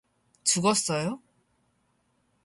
죽었어요?